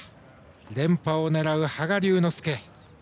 連覇を狙う羽賀龍之介。